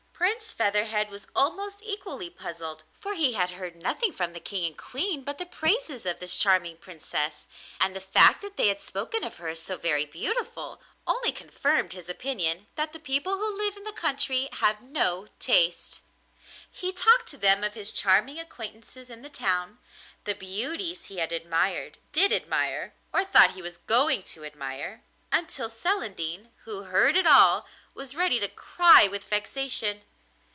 Prince Featherhead was almost equally puzzled, for he had heard nothing from the King and Queen but the praises of this charming Princess, and the fact that they had spoken of her as so very beautiful only confirmed his opinion that people who live in the country have no taste. He talked to them of his charming acquaintances in the town, the beauties he had admired, did admire, or thought he was going to admire, until Celandine, who heard it all, was ready to cry with vexation.